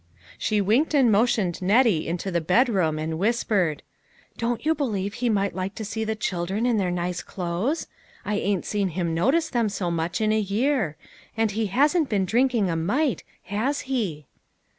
She winked and motioned Nettie into the bed room and whispered :" Don't you believe lie might like to see the children in their nice clothes ? I ain't seen him notice them so much in a year ; and he hasn't been drinking a mite, has he